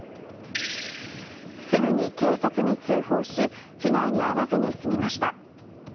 すぐに警察に通報し被害に遭わずに済みました。